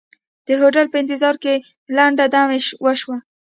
د هوټل په انتظار ځای کې لنډه دمې وشوه.